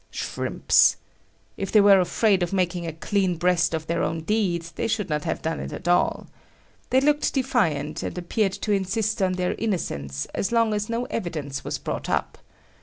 Shrimps! If they were afraid of making a clean breast of their own deed, they should not have done it at all. They looked defiant, and appeared to insist on their innocence as long as no evidence was brought up.